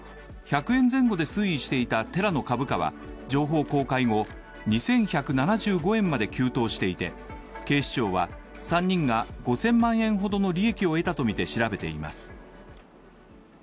１００円前後で推移していたテラの株価は情報公開直後２１７５円まで急騰していて、警視庁は３人が５０００万円ほどの利益を得たとして調べています。